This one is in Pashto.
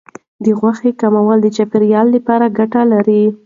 د غوښې کمول د چاپیریال لپاره ګټه لري.